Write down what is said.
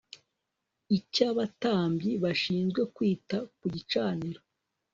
icy abatambyi bashinzwe kwita ku gicaniro